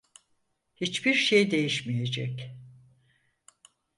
Hiçbir şey değişmeyecek.